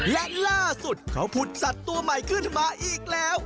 และล่าสุดเขาผุดสัตว์ตัวใหม่ขึ้นมาอีกแล้ว